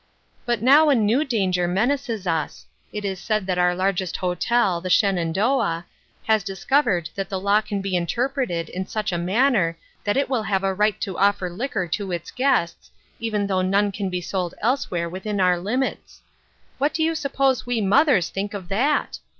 But now a new danger menaces us ; it is said that our largest hotel, the Shenan doah, has discovered that the law can be inter preted in such a manner that it will have a right to offer liquor to its guests, even though none can be sold elsewhere within our limits. What do you COMING TO AN UNDERSTANDING. 1 23 suppose we mothers think of that